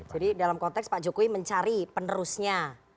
jadi dalam konteks pak jokowi mencari penerusnya